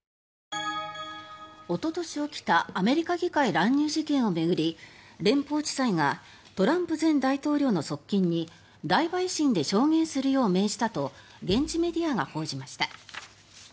おととし起きたアメリカ議会乱入事件を巡り連邦地裁がトランプ前大統領の側近に大陪審で証言するよう命じたと現地メディアが報じました。